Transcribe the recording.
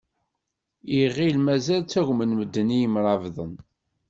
Iɣill mazal ttagmen medden i imrabḍen.